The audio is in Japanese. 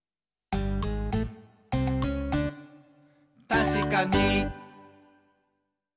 「たしかに！」